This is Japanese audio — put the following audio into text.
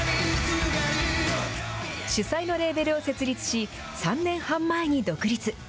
主宰のレーベルを設立し、３年半前に独立。